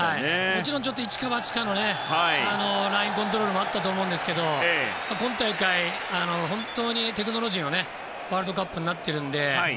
もちろん、イチかバチかのラインコントロールもありましたが今大会、本当にテクノロジーのワールドカップになっているので。